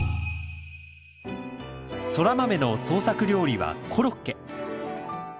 ソラマメの創作料理はコロッケ。